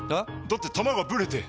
だって球がブレて！